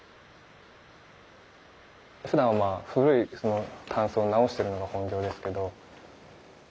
ふだんは古いタンスを直してるのが本業ですけど。